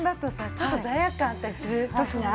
ちょっと罪悪感あったりする時ない？